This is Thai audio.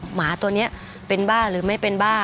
หมาตัวนี้เป็นบ้าหรือไม่เป็นบ้า